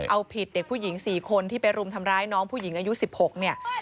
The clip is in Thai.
เอาผิดเด็กผู้หญิง๔คนที่ไปรุมทำร้ายน้องผู้หญิงอายุ๑๖เนี่ย